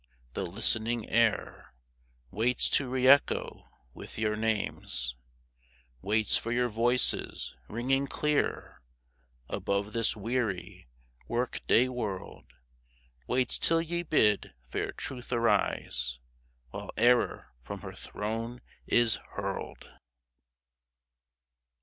the listening air Waits to re echo with your names ; Waits for your voices ringing clear Above this weary, work day world ; Waits till ye bid fair Truth arise, While Error from her throne is hurled